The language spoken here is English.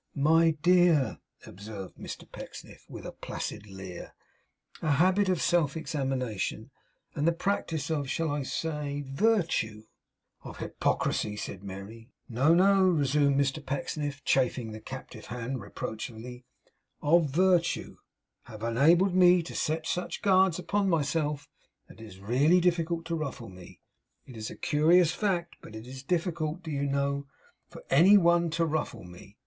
'My dear,' observed Mr Pecksniff, with a placid leer, 'a habit of self examination, and the practice of shall I say of virtue?' 'Of hypocrisy,' said Mary. 'No, no,' resumed Mr Pecksniff, chafing the captive hand reproachfully, 'of virtue have enabled me to set such guards upon myself, that it is really difficult to ruffle me. It is a curious fact, but it is difficult, do you know, for any one to ruffle me.